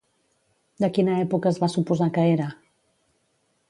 De quina època es va suposar que era?